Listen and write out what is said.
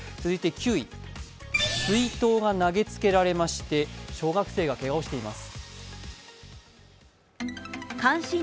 ９位、水筒が投げつけられまして、小学生がけがをしています。